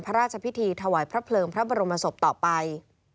พระราชพิธีถวายพระเพลิงพระบรมศพต่อไป